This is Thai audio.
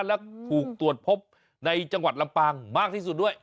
และถูกตรวจพบในจังหวัดลำปางมากที่สุดด้วย